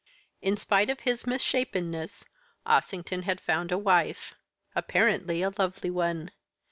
"In spite of his mis shapenness, Ossington had found a wife, apparently a lovely one.